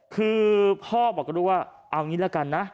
คือพ่อบอกกันว่าเอาอย่างนี้ละกันนะ